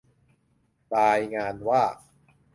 รายงานว่า